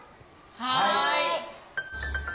はい！